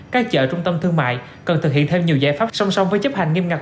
các chợ trung tâm thương mại cần thực hiện thêm nhiều giải pháp song song với chấp hành nghiêm ngặt